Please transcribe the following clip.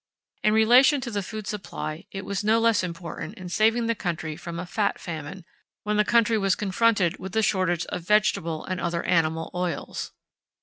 In relation to the food supply, it was no less important in saving the country from a "fat" famine, when the country was confronted with the shortage of vegetable and other animal oils.